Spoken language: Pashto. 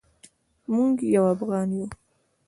موږ یو افغان یو.